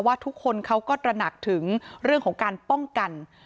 ทุกคนเขาก็ตระหนักถึงเรื่องของการป้องกัน